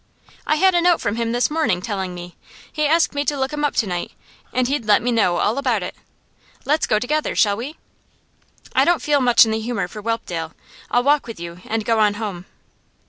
'I had a note from him this morning, telling me. He asked me to look him up to night, and he'd let me know all about it. Let's go together, shall we?' 'I don't feel much in the humour for Whelpdale. I'll walk with you, and go on home.